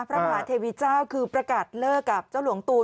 พระมหาเทวีเจ้าคือประกาศเลิกกับเจ้าหลวงตูน